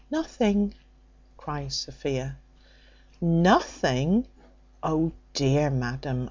"Nothing," cries Sophia. "Nothing! O dear Madam!"